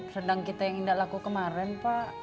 sedang kita yang indah laku kemaren pak